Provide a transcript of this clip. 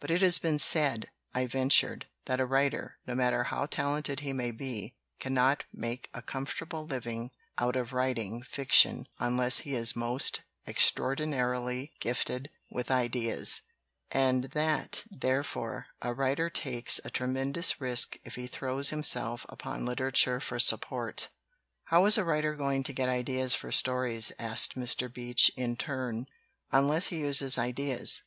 "But it has been said," I ventured, "that a writer, no matter how talented he may be, cannot make a comfortable living out of writing fiction unless he is most extraordinarily gifted with ideas, and that, therefore, a writer takes a tremendous risk if he throws himself upon literature for sup port." 70 "MOVIES" BENEFIT LITERATURE ''How is a writer going to get ideas for stories," asked Mr. Beach, in turn, "unless he uses ideas?